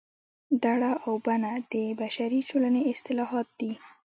دړه او بنه د بشري ټولنې اصطلاحات دي